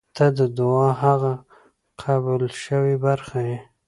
• ته د دعا هغه قبل شوې برخه یې.